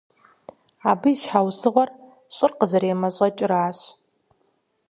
Абы и щхьэусыгъуэр щӀыр къазэремэщӀэкӀыращ.